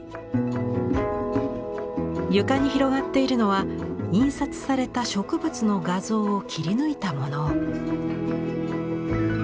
床に広がっているのは印刷された植物の画像を切り抜いたもの。